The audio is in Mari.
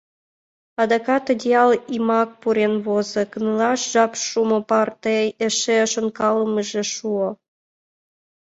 Адакат одеял йымак пурен возо, кынелаш жап шумо марте эше шонкалымыже шуо.